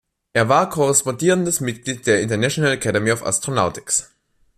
Er war korrespondierendes Mitglied der International Academy of Astronautics.